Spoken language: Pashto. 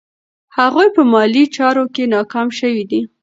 هغوی په مالي چارو کې ناکام شوي دي.